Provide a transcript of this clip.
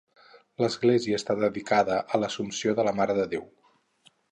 L'església està dedicada a l'Assumpció de la Mare de Déu.